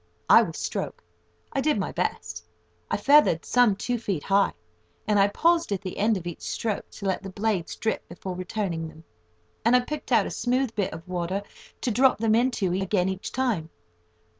I was stroke. I did my best. I feathered some two feet high, and I paused at the end of each stroke to let the blades drip before returning them, and I picked out a smooth bit of water to drop them into again each time.